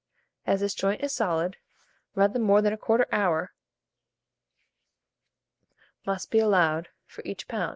As this joint is solid, rather more than 1/4 hour must be allowed for each lb.